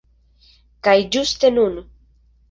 Kaj ĝuste nun!